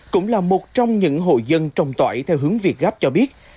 cũng là một trong những hộ dân trồng tỏi theo hướng việt gáp cho biết